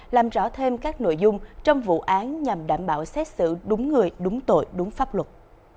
làm rõ thêm các nội dung trong vụ án nhằm đảm bảo xét xử đúng người đúng tội đúng pháp luật